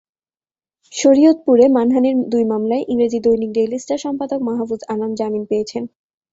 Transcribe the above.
শরীয়তপুরে মানহানির দুই মামলায় ইংরেজি দৈনিক ডেইলি স্টার সম্পাদক মাহফুজ আনাম জামিন পেয়েছেন।